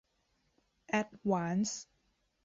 แอดวานส์